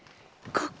ここ？